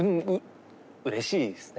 うれしいですね。